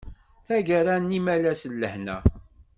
Tagara n imalas n lehna!